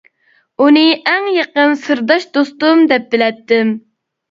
ئۇنى ئەڭ يېقىن سىرداش دوستۇم دەپ بىلەتتىم.